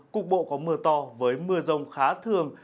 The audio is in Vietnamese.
cục bộ có mưa to với mưa rông khá thường